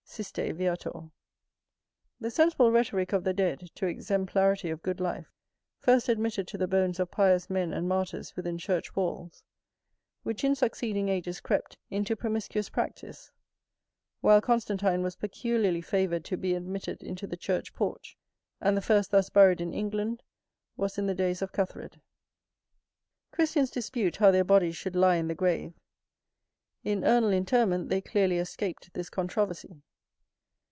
[BF] The sensible rhetorick of the dead, to exemplarity of good life, first admitted to the bones of pious men and martyrs within church walls, which in succeeding ages crept into promiscuous practice: while Constantine was peculiarly favoured to be admitted into the church porch, and the first thus buried in England, was in the days of Cuthred. [BF] Siste, viator. Christians dispute how their bodies should lie in the grave. In urnal interment they clearly escaped this controversy.